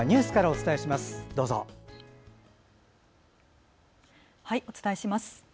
お伝えします。